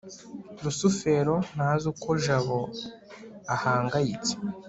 rusufero ntazi uko jabo ahangayitse